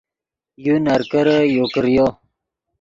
یو نرکرے یو کریو